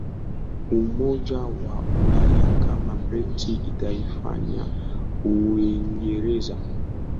umoja wa Ulaya Kama Brexit itaifanya Uingereza